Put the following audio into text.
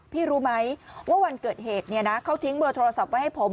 รู้ไหมว่าวันเกิดเหตุเนี่ยนะเขาทิ้งเบอร์โทรศัพท์ไว้ให้ผม